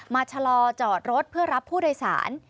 ชะลอจอดรถเพื่อรับผู้โดยสาร